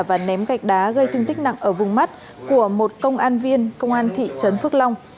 và ném gạch đá gây thương tích nặng ở vùng mắt của một công an viên công an thị trấn phước long